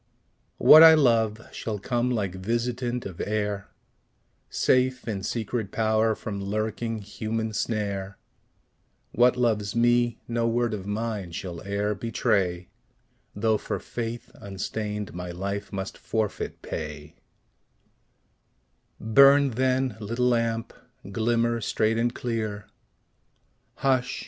What I love shall come like visitant of air, Safe in secret power from lurking human snare; What loves me, no word of mine shall e'er betray, Though for faith unstained my life must forfeit pay Burn, then, little lamp; glimmer straight and clear Hush!